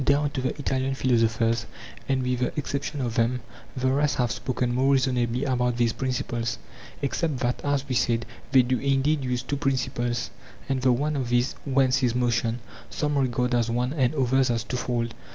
Down to the Italian philosophers and with the exception of them the rest have spoken more reasonably about these principles, except that, as we said, they do indeed use two principles, and the one of these, whence is motion, some regard as one and others as twofold.